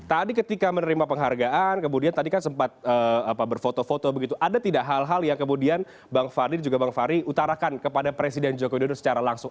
tadi ketika menerima penghargaan kemudian tadi kan sempat berfoto foto begitu ada tidak hal hal yang kemudian bang fadli juga bang fahri utarakan kepada presiden joko widodo secara langsung